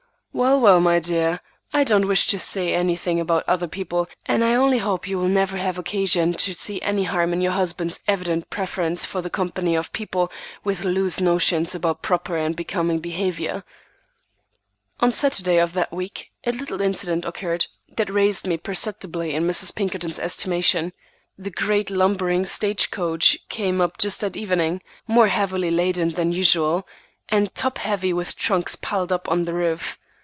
"Well, well, my dear, I don't wish to say anything about other people, and I only hope you will never have occasion to see any harm in your husband's evident preference for the company of people with loose notions about proper and becoming behavior." On Saturday of that week a little incident occurred that raised me perceptibly in Mrs. Pinkerton's estimation. The great, lumbering stage coach came up just at evening, more heavily laden than usual, and top heavy with trunks piled up on the roof.